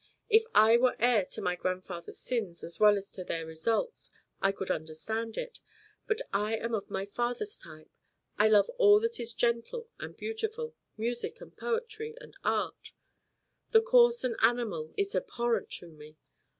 "If I were heir to my grandfather's sins as well as to their results, I could understand it, but I am of my father's type. I love all that is gentle and beautiful music and poetry and art. The coarse and animal is abhorrent to me.